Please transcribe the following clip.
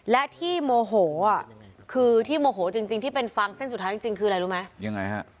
และที่โมโหคือที่โมโหจริงที่เป็นฟังเส้นสุดท้ายจริงคืออะไรรู้ไหมยังไงฮะ